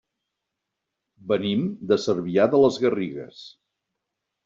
Venim de Cervià de les Garrigues.